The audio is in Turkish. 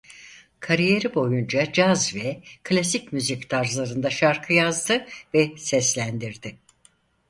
Kariyeri boyunca caz ve klasik müzik tarzlarında şarkı yazdı ve seslendirdi.